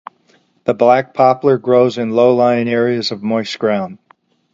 The black poplar grows in low-lying areas of moist ground.